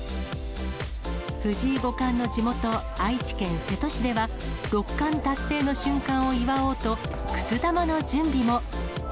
藤井五冠の地元、愛知県瀬戸市では、六冠達成の瞬間を祝おうと、くす玉の準備も。